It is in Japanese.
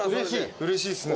うれしいですね。